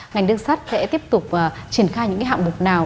ngành đường sắt sẽ tiếp tục triển khai những hạng mục nào